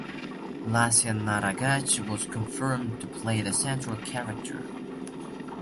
Lasya Nagaraj was confirmed to play the central character.